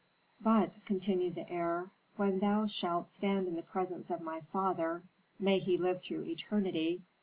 "But," continued the heir, "when thou shalt stand in the presence of my father, may he live through eternity!